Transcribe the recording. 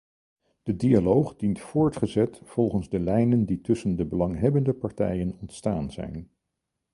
De dialoog dient voortgezet volgens de lijnen die tussen de belanghebbende partijen ontstaan zijn.